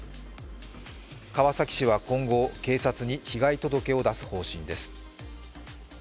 川崎市は今後、警察に被害届を出す方針です。